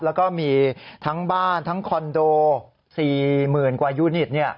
แล้วก็มีทั้งบ้านทั้งคอนโด๔๐๐๐กว่ายูนิต